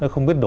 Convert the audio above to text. không biết đủ